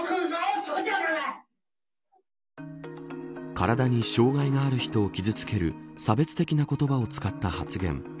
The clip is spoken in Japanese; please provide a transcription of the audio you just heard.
体に障害がある人を傷つける差別的な言葉を使った発言。